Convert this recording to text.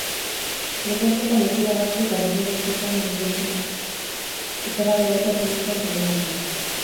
Leku askotan ez dira ohartu garai berezietan ginetik, okerrago egotea ezinezkoa zaielako.